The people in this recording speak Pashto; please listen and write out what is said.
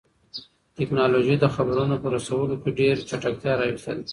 تکنالوژي د خبرونو په رسولو کې ډېر چټکتیا راوستې ده.